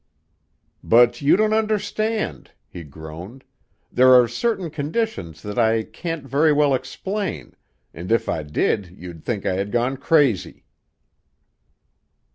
"But you don't understand!" he groaned. "There are certain conditions that I can't very well explain, and if I did you'd think I had gone crazy."